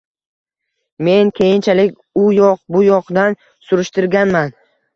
Men keyinchalik u yoq bu yoqdan surishtirganman.